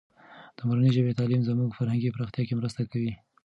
د مورنۍ ژبې تعلیم زموږ فرهنګي پراختیا کې مرسته کوي.